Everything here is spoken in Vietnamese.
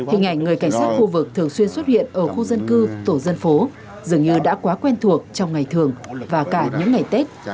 hình ảnh người cảnh sát khu vực thường xuyên xuất hiện ở khu dân cư tổ dân phố dường như đã quá quen thuộc trong ngày thường và cả những ngày tết